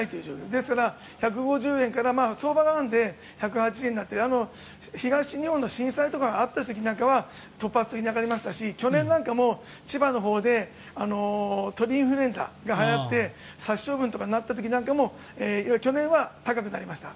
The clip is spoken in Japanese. ですから、１５０円から相場が１０８円になったり東日本の震災なんかがあった時は突発的に上がりましたし去年なんかも千葉のほうで鳥インフルエンザがはやって殺処分になった時も去年は高くなりました。